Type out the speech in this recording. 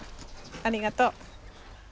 ありがとう。